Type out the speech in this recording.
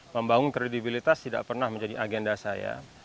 membangun kredibilitas tidak pernah menjadi agenda saya